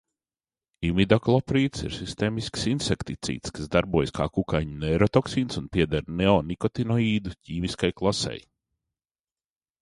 Imidakloprīds ir sistēmisks insekticīds, kas darbojas kā kukaiņu neirotoksīns un pieder neonikotinoīdu ķīmiskai klasei.